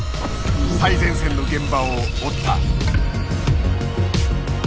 最前線の現場を追った。